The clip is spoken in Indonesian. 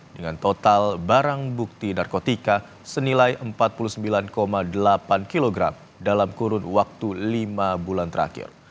dengan total barang bukti narkotika senilai empat puluh sembilan delapan kg dalam kurun waktu lima bulan terakhir